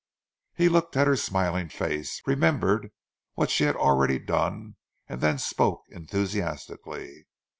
He looked at her smiling face, remembered what she had already done, and then spoke enthusiastically.